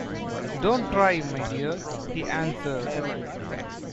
"Don't try, my dear," he answered.